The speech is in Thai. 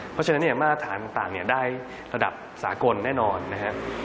เพราะฉะนั้นเนี่ยมาตรฐานต่างได้ระดับสากลแน่นอนนะครับ